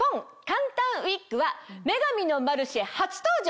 簡単ウィッグは『女神のマルシェ』初登場。